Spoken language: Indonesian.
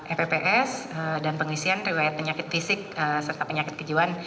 epps dan pengisian riwayat penyakit fisik serta penyakit kejiwaan